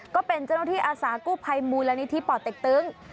ก็เป็นเจ้าหน้าที่อาสากู้ภัยมูลนิธิป่อเต็กตึง